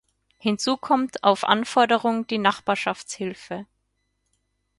Hinzu kommt auf Anforderung die Nachbarschaftshilfe.